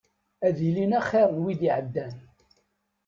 Ad ilin axir n wid iɛeddan.